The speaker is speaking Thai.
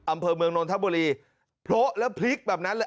อำเภอเมืองนนทบุรีโพะแล้วพลิกแบบนั้นเลย